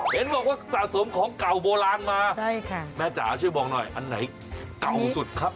เห็นบอกว่าสะสมของเก่าโบราณมาใช่ค่ะแม่จ๋าช่วยบอกหน่อยอันไหนเก่าสุดครับ